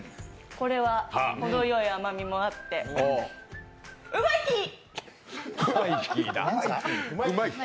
これはほどよい甘みもあって、ウマイキー！